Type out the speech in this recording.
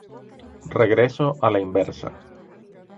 Regreso a la inversa.